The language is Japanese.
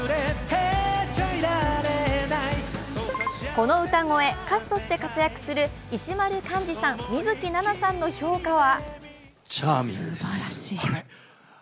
この歌声、歌手として活躍する石丸幹二さん、水樹奈々さんの評価は？